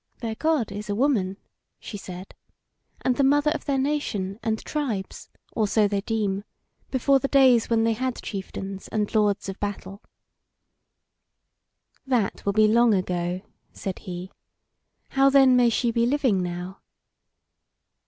"Their God is a woman," she said, "and the Mother of their nation and tribes (or so they deem) before the days when they had chieftains and Lords of Battle." "That will be long ago," said he; "how then may she be living now?"